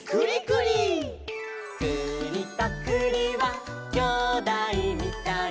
「くりとくりはきょうだいみたい」